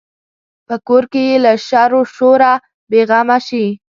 په کور کې یې له شر و شوره بې غمه شي.